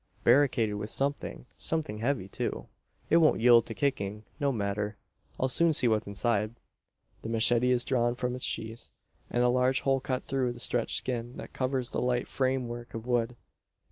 "Barricaded with something something heavy too. It won't yield to kicking. No matter. I'll soon see what's inside." The machete is drawn from its sheath; and a large hole cut through the stretched skin, that covers the light framework of wood.